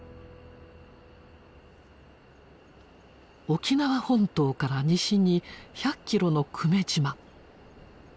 沖縄本島から西に１００キロの久米島。